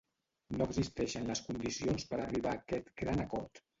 No existeixen les condicions per arribar a aquest gran acord